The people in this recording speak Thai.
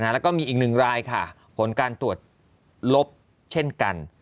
แล้วก็มีอีกหนึ่งรายค่ะผลการตรวจลบเช่นกัน